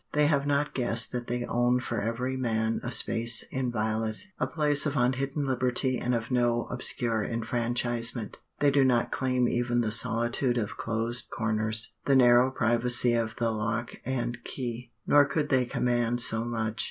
They have not guessed that they own for every man a space inviolate, a place of unhidden liberty and of no obscure enfranchisement. They do not claim even the solitude of closed corners, the narrow privacy of the lock and key; nor could they command so much.